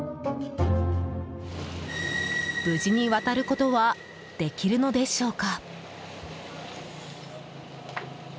無事に渡ることはできるのでしょうか。